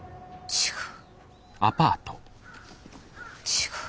違う。